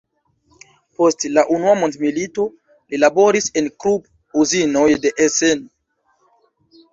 Post la unua mondmilito, li laboris en Krupp-uzinoj de Essen.